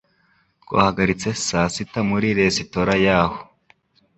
Twahagaritse saa sita muri resitora yaho.